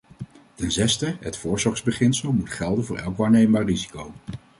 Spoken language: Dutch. Ten zesde, het voorzorgsbeginsel moet gelden voor elk waarneembaar risico.